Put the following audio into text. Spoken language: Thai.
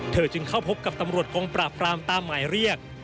จึงเข้าพบกับตำรวจกองปราบปรามตามหมายเรียก